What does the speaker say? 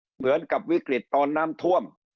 เหมือนกับวิกฤตตอนน้ำท่วม